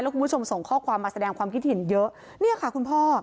คุณผู้ชมส่งข้อความมาแสดงความคิดเห็นเยอะเนี่ยค่ะคุณพ่อ